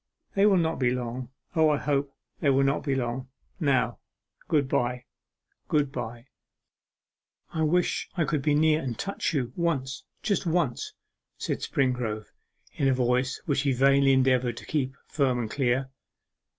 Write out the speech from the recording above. They will not be long. O, I hope they will not be long!... Now, good bye, good bye!' 'I wish I could be near and touch you once, just once,' said Springrove, in a voice which he vainly endeavoured to keep firm and clear.